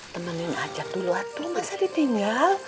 temenin aja dulu atu masa ditinggal